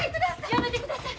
やめてください！